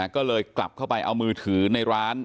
ก็เลยกลับเข้าไปเอามือถือในร้าน